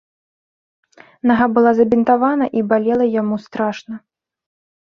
Нага была забінтавана і балела яму страшна.